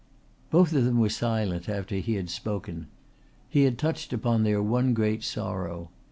Both of them were silent after he had spoken. He had touched upon their one great sorrow.